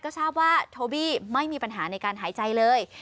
ก็ทราบว่าโทบี้ไม่มีปัญหาในการหายใจเลย